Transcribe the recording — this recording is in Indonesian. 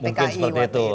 mungkin seperti itu